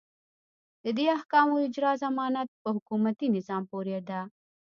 د دې احکامو اجرا ضمانت په حکومتي نظام پورې ده.